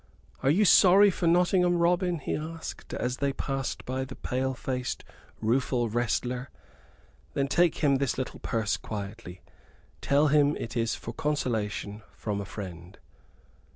"Are you sorry for Nottingham, Robin?" he asked, as they passed by the pale faced, rueful wrestler. "Then take him this little purse quietly. Tell him it is for consolation, from a friend."